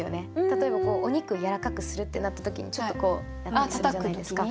例えばお肉やらかくするってなった時にちょっとこうやったりするじゃないですか。